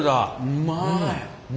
うまい。